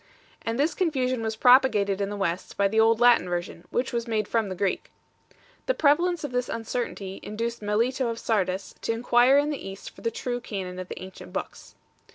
And this confusion was propagated in the West by the old Latin Version, which was made from the Greek. The prevalence of this uncertainty induced Melito of Sardes to enquire in the East for the true canon of the ancient i Books.